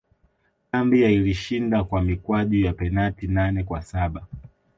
zambia ilishinda kwa mikwaju ya penati nane kwa saba